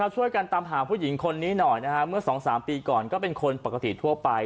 ช่วยกันตามหาผู้หญิงคนนี้หน่อยเมื่อ๒๓ปีก่อนก็เป็นคนปกติทั่วไป